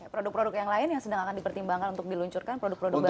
produk produk yang lain yang sedang akan dipertimbangkan untuk diluncurkan